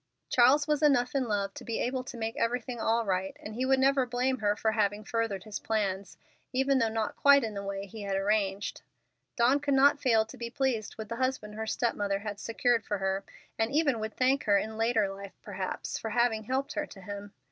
Charles was enough in love to be able to make everything all right, and he would never blame her for having furthered his plans, even though not quite in the way he had arranged. Dawn could not fail to be pleased with the husband her step mother had secured for her, and even would thank her in later life, perhaps, for having helped her to him.